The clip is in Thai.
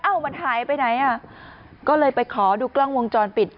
มันหายไปไหนอ่ะก็เลยไปขอดูกล้องวงจรปิด